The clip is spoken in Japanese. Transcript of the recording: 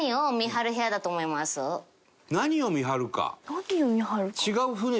何を見張るか？